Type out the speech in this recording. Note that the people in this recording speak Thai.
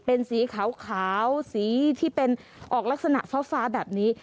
เป็นสีขาวสีที่เป็นออกลักษณะฟ้าแบบนี้